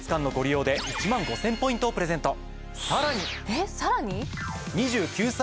えっさらに？